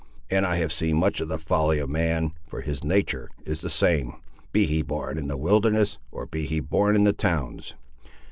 And I have seen much of the folly of man; for his natur' is the same, be he born in the wilderness, or be he born in the towns.